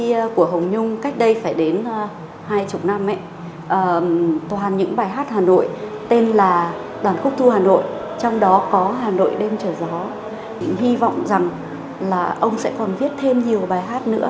mặc dù hồng nhung chưa bao giờ được gặp nhạc sĩ trọng đài ở ngoài đời